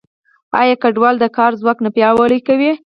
آیا کډوال د کار ځواک نه پیاوړی کوي؟